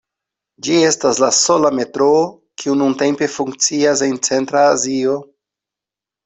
Ĝi estas la sola metroo kiu nuntempe funkcias en Centra Azio.